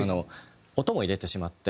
音も入れてしまって。